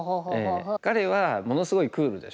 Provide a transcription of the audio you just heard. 彼はものすごいクールでしょ。